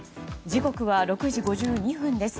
時刻は６時５２分です。